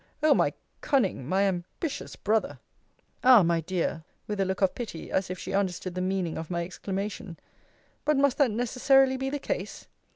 O my cunning, my ambitious brother! Ah, my dear! with a look of pity, as if she understood the meaning of my exclamation But must that necessarily be the case?